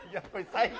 最高。